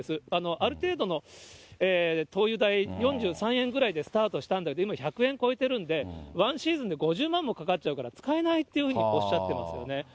ある程度の灯油代、４３円ぐらいでスタートしたんだけど、今、１００円超えてるんで、ワンシーズンで５０万円もかかっちゃうから使えないっていうふうにおっしゃってますよね。